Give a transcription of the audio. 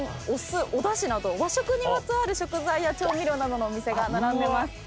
お酢おだしなど和食にまつわる食材や調味料などのお店が並んでます。